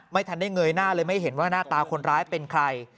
ไม่ทันได้เงยหน้าเลยไม่เห็นว่าหน้าตาคนร้ายเป็นใคร